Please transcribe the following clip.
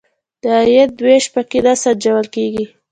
د عاید وېش په کې نه سنجول کیږي.